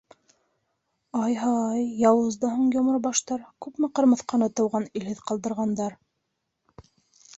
Ай-һай, яуыз да һуң Йомро баштар, күпме ҡырмыҫҡаны тыуған илһеҙ ҡалдырғандар.